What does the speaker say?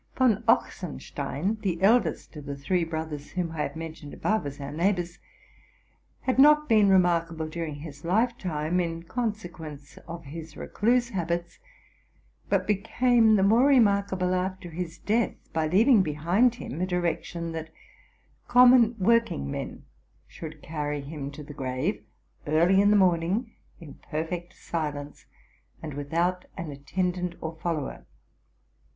Von Ochsenstein, the eldest of the three brothers whom I have mentioned above as our neighbors, had not been remarkable during his lifetime, in consequence of his recluse habits, but became the more remarkable after his death, by leaving behind him a direction that common workingmen should carry him to the grave, early in the morning, in perfect silence, and without an attendant or follower.